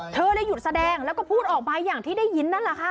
ได้หยุดแสดงแล้วก็พูดออกไปอย่างที่ได้ยินนั่นแหละค่ะ